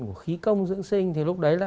của khí công dưỡng sinh thì lúc đấy là